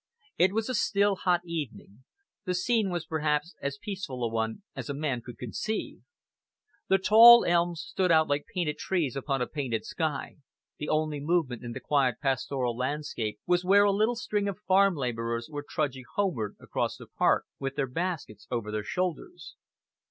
It was a still, hot evening; the scene was perhaps as peaceful a one as a man could conceive. The tall elms stood out like painted trees upon a painted sky, the only movement in the quiet pastoral landscape was where a little string of farm laborers were trudging homeward across the park, with their baskets over their shoulders.